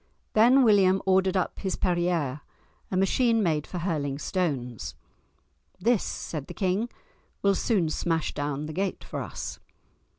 Then William ordered up his perière, a machine made for hurling stones. "This," said the king, "will soon smash down the gate for us!"